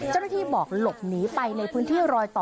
เจ้าหน้าที่บอกหลบหนีไปในพื้นที่รอยต่อ